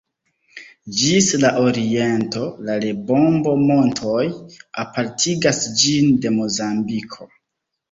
Ĝis la oriento la Lebombo-Montoj apartigas ĝin de Mozambiko.